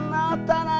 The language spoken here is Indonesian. anda turut terima